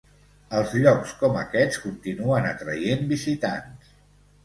Els llocs com aquests continuen atraient visitants.